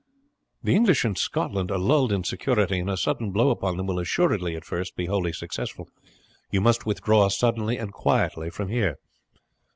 "The English in Scotland are lulled in security, and a sudden blow upon them will assuredly at first be wholly successful. You must withdraw suddenly and quietly from here."